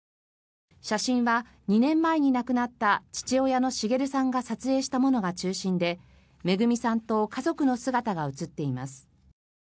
写真は２年前に亡くなった父親の滋さんが撮影したものが中心でめぐみさんと家族の姿が写っています。